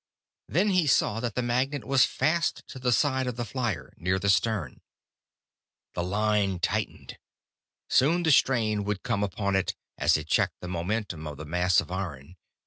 Then he saw that the magnet was fast to the side of the flier, near the stern. The line tightened. Soon the strain would come upon it, as it checked the momentum of the mass of iron.